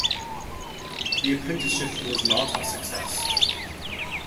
The apprenticeship was not a success.